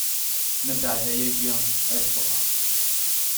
Mbeɛd ayagi, ad ffɣeɣ.